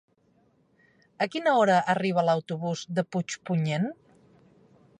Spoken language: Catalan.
A quina hora arriba l'autobús de Puigpunyent?